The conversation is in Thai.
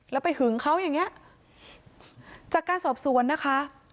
แล้วไปหึงเขาอย่างเงี้ยจากการสอบสวนนะคะ